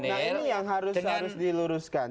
nah ini yang harus diluruskan